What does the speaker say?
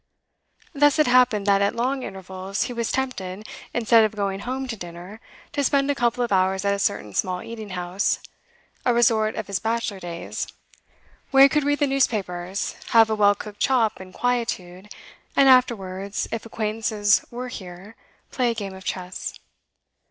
Thus it happened that at long intervals he was tempted, instead of going home to dinner, to spend a couple of hours at a certain small eating house, a resort of his bachelor days, where he could read the newspapers, have a well cooked chop in quietude, and afterwards, if acquaintances were here, play a game of chess.